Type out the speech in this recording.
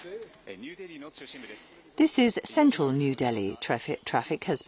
ニューデリーの中心部です。